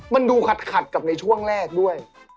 มันดูขัดกับในช่วงแรกด้วย